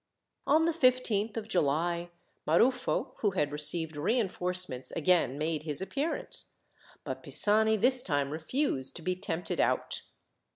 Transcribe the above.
On the 15th of July, Maruffo, who had received reinforcements again made his appearance; but Pisani this time refused to be tempted out.